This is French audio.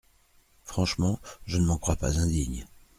Franchement, je ne m’en crois pas indigne…